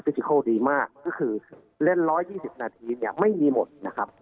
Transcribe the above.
ซิโคลดีมากก็คือเล่น๑๒๐นาทีเนี่ยไม่มีหมดนะครับ